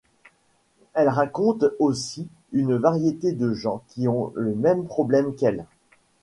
Elle rencontre ainsi une variété de gens qui ont le même problème qu'elle.